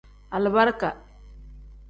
Alibarika.